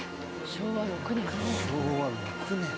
昭和６年。